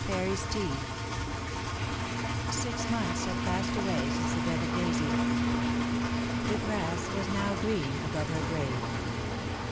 PARRY'S TEA Six months had passed away since the death of Daisy. The grass was now green above her grave.